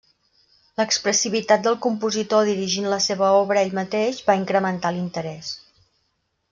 L'expressivitat del compositor dirigint la seva obra ell mateix va incrementar l'interès.